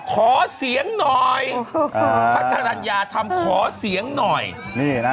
ขอเสียงหน่อยพระกรรณญาทำขอเสียงหน่อยนี่นะ